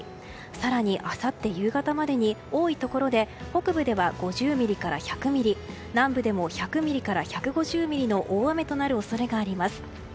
更にあさって夕方までに多いところで北部では５０ミリから１００ミリ南部でも１００ミリから１５０ミリの大雨となる恐れがあります。